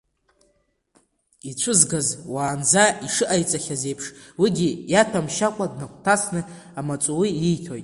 Ицәызгаз, уаанӡа ишыҟаиҵахьаз еиԥш, уигьы иаҭәамшьакәа, днагәҭасны амаҵуҩы ииҭоит.